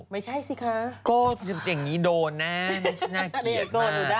ไม่ใช่สิคะก็อย่างนี้โดนนะน่าเกลียดมาก